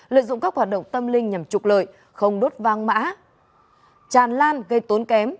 lợi dụng các hoạt động tâm linh nhằm trục lợi không đốt vang mã tràn lan gây tốn kém